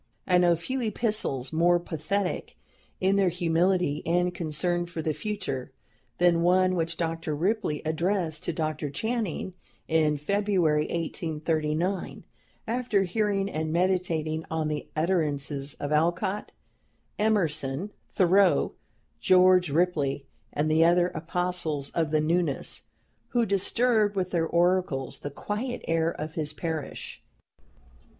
I know few epistles more pathetic in their humility and concern for the future, than one which Dr. Ripley addressed to Dr. Channing in February, 1839, after hearing and meditating on the utterances of Alcott, Emerson, Thoreau, George Ripley, and the other "apostles of the newness," who disturbed with their oracles the quiet air of his parish.